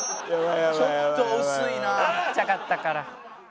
ちっちゃかったから。